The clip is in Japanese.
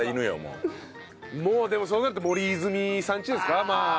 もうでもそうなったら森泉さんちですか。